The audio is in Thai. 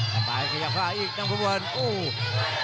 สันบายขยับเข้ามาอีกน้ำคบวนอู้ว